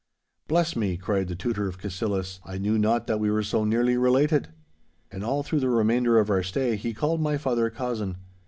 'Bless me!' cried the Tutor of Cassillis; 'I knew not that we were so nearly related.' And all through the remainder of our stay he called my father 'cousin.